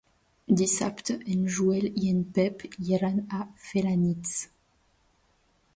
Dissabte en Joel i en Pep iran a Felanitx.